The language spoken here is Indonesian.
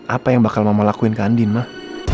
apa yang bakal mama lakuin ke andin mah